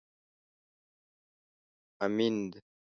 امېند